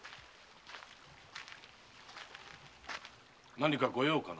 何か御用かな？